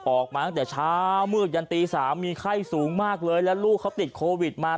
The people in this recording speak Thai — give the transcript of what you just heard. ออกมาตั้งแต่เช้ามืดยันตี๓มีไข้สูงมากเลยแล้วลูกเขาติดโควิดมา